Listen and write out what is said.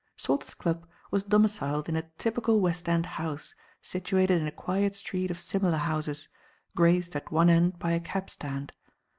Salter's Club was domiciled in a typical West End house situated in a quiet street of similar houses, graced at one end by a cabstand.